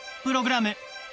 プログラム